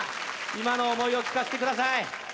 今の思いを聞かせてください